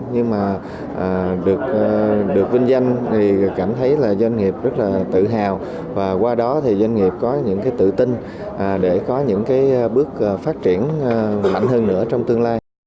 nhưng mà được vinh danh thì cảm thấy là doanh nghiệp rất là tự hào và qua đó thì doanh nghiệp có những cái tự tin để có những cái bước phát triển mạnh hơn nữa trong tương lai